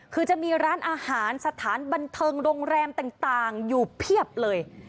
คือจะมีร้านอาหารสถานบันเทิงโรงแรมต่างอยู่เพียบเลย